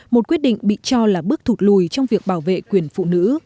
một quyết định bị cho là bước thụt lùi trong việc bảo vệ quyền phụ nữ